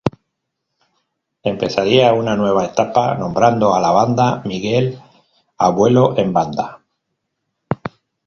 Empezaría una nueva etapa, nombrando a la banda Miguel Abuelo en Banda.